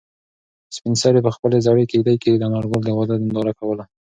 سپین سرې په خپلې زړې کيږدۍ کې د انارګل د واده ننداره کوله.